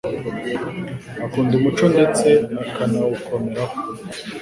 akunda umuco ndetse akanawukomeraho.